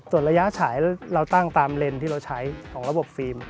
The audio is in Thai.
ส่วนระยะฉายเราตั้งตามเลนส์ที่เราใช้ของระบบฟิล์ม